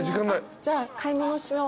じゃあ買い物しよう。